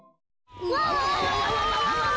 うわ！